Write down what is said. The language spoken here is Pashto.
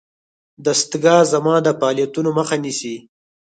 دستګاه زما د فعالیتونو مخه نیسي.